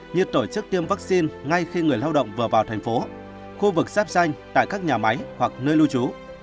như tổ chức tiêm vaccine ngay khi người lao động vừa vào thành phố khu vực sáp xanh tại các nhà máy hoặc nơi lưu trú